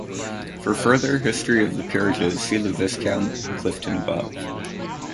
For further history of the peerages see the Viscount Clifden above.